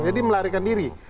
jadi melarikan diri